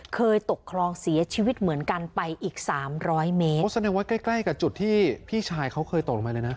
เคยตกคลองเสียชีวิตเหมือนกันไปอีกสามร้อยเมตรโอ้แสดงว่าใกล้ใกล้กับจุดที่พี่ชายเขาเคยตกลงไปเลยนะ